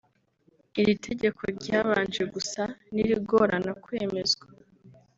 Iri tegeko ryabanje gusa n’irigorana kwemezwa